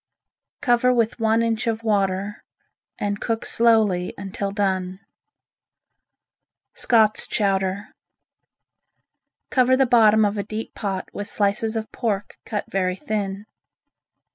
Cover with one inch of water and cook slowly until done. Scott's Chowder Cover the bottom of a deep pot with slices of pork cut very thin.